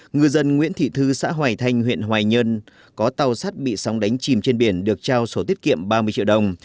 ngư dân nguyễn thị thư xã hoài thanh huyện hoài nhơn có tàu sát bị sóng đánh chìm trên biển được trao sổ tiết kiệm ba mươi triệu đồng